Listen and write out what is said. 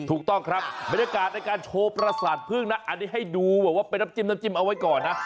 ถูกต้องครับบรรยากาศในการโชว์ประสาทพึ่งนะอันนี้ให้ดูแบบว่าเป็นน้ำจิ้มน้ำจิ้มเอาไว้ก่อนนะ